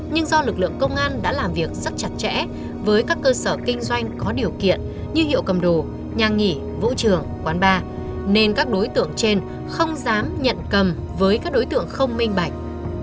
nhưng do lực lượng công an đã làm việc rất chặt chẽ với các cơ sở kinh doanh có điều kiện như hiệu cầm đồ nhà nghỉ vũ trường quán bar nên các đối tượng trên không dám nhận cầm với các đối tượng không minh bạch